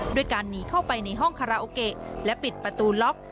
ด้วยการหนีเข้าไปในห้องคาราโอเกะและปิดประตูล็อก